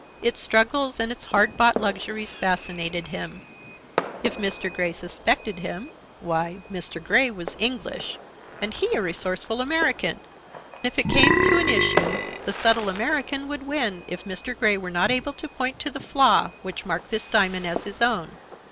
Its struggles and its hard bought luxuries fascinated him. If Mr. Grey suspected him, why, Mr. Grey was English, and he a resourceful American. If it came to an issue, the subtle American would win if Mr. Grey were not able to point to the flaw which marked this diamond as his own.